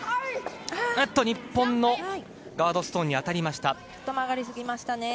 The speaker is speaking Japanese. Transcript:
日本のガードストーンに当たりました。